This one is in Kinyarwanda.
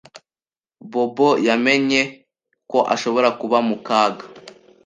Bobo yamenye ko ashobora kuba mu kaga.